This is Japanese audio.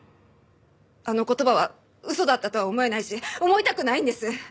あの言葉は嘘だったとは思えないし思いたくないんです。